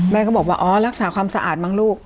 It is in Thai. แม่ก็บอกว่าอ๋อรักษาความสะอาดมั้งลูก